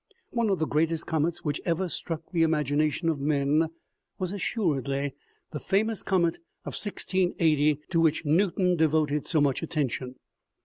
One of the greatest comets which ever struck the imagination of men was assuredly the famous comet of 1680, to which Newton devoted so much attention.